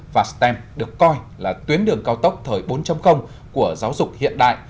và stem được coi là tuyến đường cao tốc thời bốn của giáo dục hiện đại